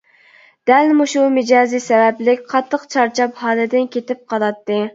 دەل مۇشۇ مىجەزى سەۋەبلىك قاتتىق چارچاپ ھالىدىن كېتىپ قالاتتى.